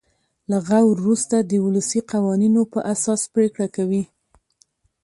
له غور وروسته د ولسي قوانینو په اساس پرېکړه کوي.